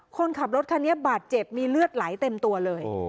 คนขับรถคันนี้บาดเจ็บมีเลือดไหลเต็มตัวเลย